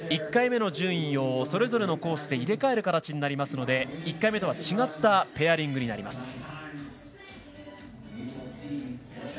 １回目の順位をそれぞれのコースで入れ替える形になりますので１回目とは違ったペアリングになります。